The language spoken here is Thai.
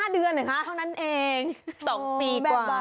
๒๕เดือนเหรอคะเท่านั้นเอง๒ปีกว่าแบบเบาะ